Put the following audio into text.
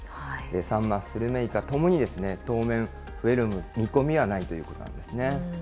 サンマ、スルメイカともに当面、増える見込みはないということなんですね。